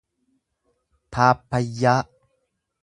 paappaayyaa